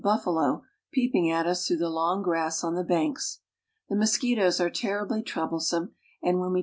buffalo peeping at us through the long grass on the banks. The mosquitoes are terribly troublesome, and when we